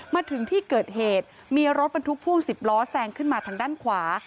มาถึงที่เกิดเหตุมีรถบรรทุกพ่วง๑๐ล้อแซงขึ้นมาทางด้านขวา